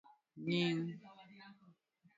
Nying'.